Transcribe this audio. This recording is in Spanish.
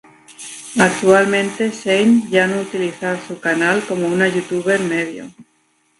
Actualmente, Shane ya no utilizar su canal como una YouTuber medio.